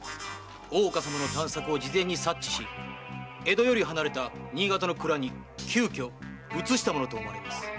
大岡様の探索を事前に察知し江戸より離れた新潟の蔵に急遽移したものと思われます。